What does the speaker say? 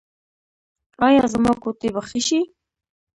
ایا زما ګوتې به ښې شي؟